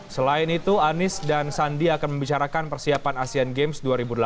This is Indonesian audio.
selain itu anies dan sandi akan membicarakan persiapan asean games dua ribu delapan belas